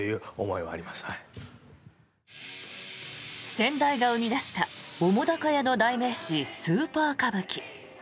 先代が生み出した澤瀉屋の代名詞スーパー歌舞伎。